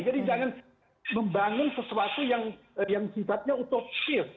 jadi jangan membangun sesuatu yang sifatnya utopis